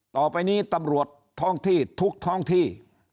ต่อไปนี้ตำรวจท้องที่ทุกท้องที่